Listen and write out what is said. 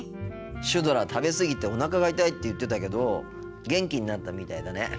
シュドラ食べ過ぎておなかが痛いって言ってたけど元気になったみたいだね。